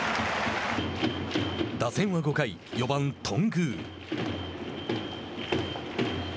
打線は５回４番頓宮。